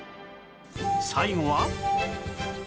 最後は